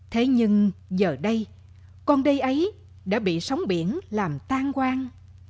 thế nhưng giờ đây con đê ấy đã bị sóng biển làm tan quang